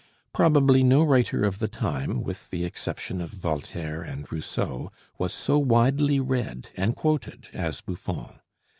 Probably no writer of the time, with the exception of Voltaire and Rousseau, was so widely read and quoted as Buffon.